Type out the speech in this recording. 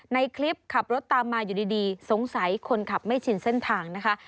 ในคลิปขับรถตามมาอยู่ดีสงสัยคนขับไม่ชินเส้นทางนะคะ